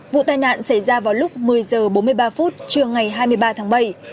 vụ tai nạn xảy ra vào lúc một mươi h bốn mươi ba phút trưa ngày hai mươi ba tháng bảy